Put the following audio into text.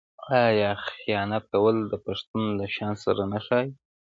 آیا خیانت کول د پښتون له شان سره نه ښايي؟